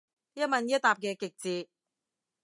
一問一答嘅極致